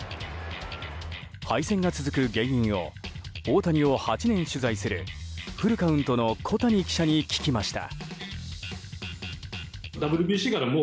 敗戦が続く原因を大谷を８年取材するフルカウントの小谷記者に聞きました。